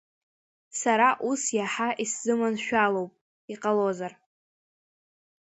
Сара ус иаҳа исзыманшәалоуп, иҟалозар!